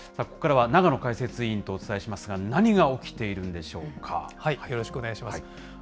ここからは永野解説委員とお伝えしますが、何が起きているんでしよろしくお願いします。